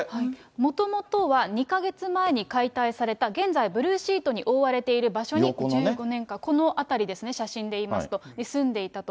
もともとは２か月前に解体された、現在、ブルーシートに覆われている場所に１５年間、この辺りですね、写真で言いますと、に住んでいたと。